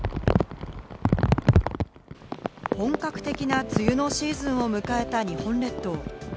本格的な梅雨のシーズンを迎えた日本列島。